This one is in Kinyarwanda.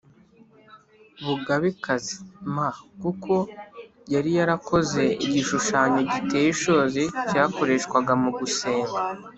Bugabekazi m kuko yari yarakoze igishushanyo giteye ishozi cyakoreshwaga mu gusenga